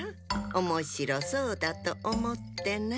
おもしろそうだとおもってな。